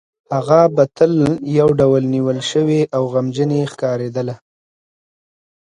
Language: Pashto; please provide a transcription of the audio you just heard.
هغه به تل یو ډول نیول شوې او غمجنې ښکارېدله